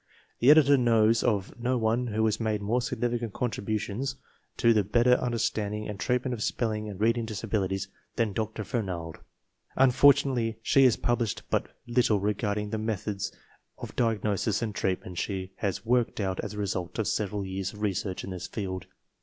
The editor knows of no one who has made more significant contributions to the better understanding and treatment of spelling and reading disabilities than Dr. Fernald. Unfortunately, she has published but little regarding the methods of diagnosis and treatment she has worked out as the result of several years of research in this field.